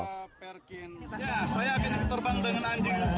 usianya berapa dia pak